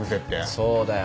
そうだよ。